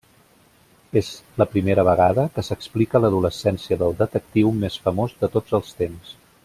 És la primera vegada que s’explica l'adolescència del detectiu més famós de tots els temps.